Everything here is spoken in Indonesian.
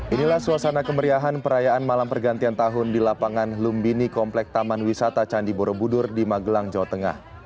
inilah suasana kemeriahan perayaan malam pergantian tahun di lapangan lumbini komplek taman wisata candi borobudur di magelang jawa tengah